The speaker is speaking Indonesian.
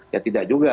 ya tidak juga